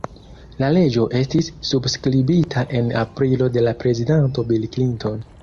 La leĝo estis subskribita en aprilo de la prezidanto Bill Clinton.